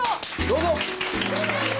どうぞ！